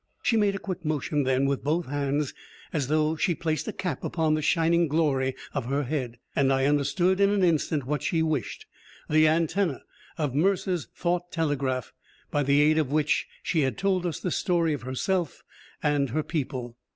She made a quick motion then, with both hands, as though she placed a cap upon the shining glory of her head, and I understood in an instant what she wished: the antenna of Mercer's thought telegraph, by the aid of which she had told us the story of herself and her people.